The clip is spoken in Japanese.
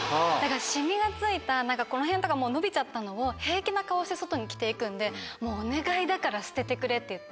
シミが付いたこの辺とか伸びちゃったのを平気な顔して外に着て行くんでお願いだから捨ててくれって言って。